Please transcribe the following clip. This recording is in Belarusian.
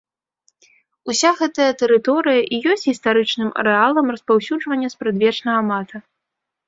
Уся гэтая тэрыторыя і ёсць гістарычным арэалам распаўсюджвання спрадвечнага мата.